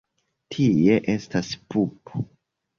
Tie estas pupo.